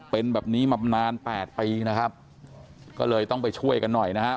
เป็นแบบนี้มานานแปดปีนะครับก็เลยต้องไปช่วยกันหน่อยนะฮะ